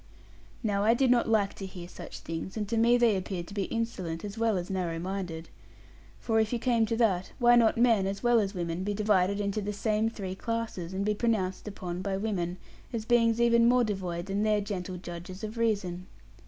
Now I did not like to hear such things; and to me they appeared to be insolent, as well as narrow minded. For if you came to that, why might not men, as well as women, be divided into the same three classes, and be pronounced upon by women, as beings even more devoid than their gentle judges of reason?